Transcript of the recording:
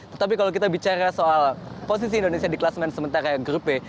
tetapi kalau kita bicara soal posisi indonesia di kelas men sementara grup b